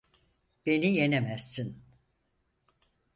Beni yenemezsin.